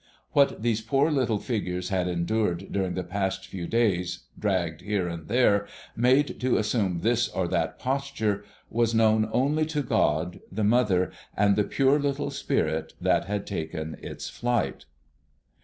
What these poor little figures had endured during the past few days, dragged here and there, made to assume this or that posture, was known only to God, the mother, and the pure little spirit that had taken its flight.